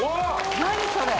何それ？